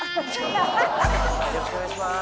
よろしくお願いします。